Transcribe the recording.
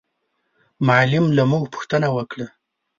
معلم له موږ پوښتنه وکړه.